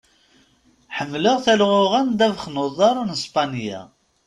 Ḥemmleɣ talɣuɣa n ddabex n uḍar n Spanya.